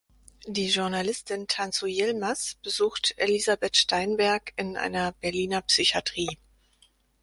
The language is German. Die Journalistin Tansu Yilmaz besucht Elisabeth Steinberg in einer Berliner Psychiatrie.